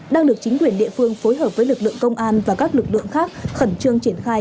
đang được chính quyền địa phương phối hợp với lực lượng công an và các lực lượng khác khẩn trương triển khai